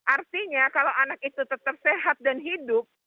artinya kalau anak itu tetap sehat dan hidup